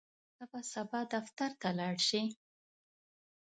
ته به سبا دفتر ته لاړ شې؟